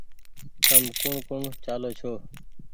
تم ڪوٚڻ ڪوٚڻ چآلو ڇو